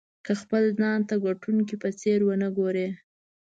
که خپل ځان ته د ګټونکي په څېر ونه ګورئ.